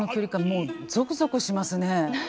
もうゾクゾクしますね。